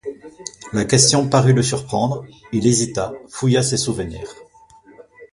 La question parut le surprendre, il hésita, fouilla ses souvenirs.